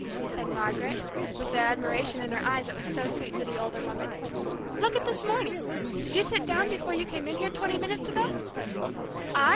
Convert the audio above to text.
said Margaret, with the admiration in her eyes that was so sweet to the older woman. "Look at this morning did you sit down before you came in here twenty minutes ago?" "I?